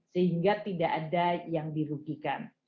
sehingga tidak ada yang dirugikan